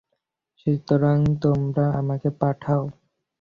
সুতরাং তোমরা আমাকে পাঠাও।